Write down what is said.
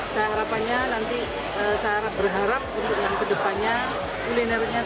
saya harapannya nanti saya berharap untuk ke depannya kulinernya supaya menghidang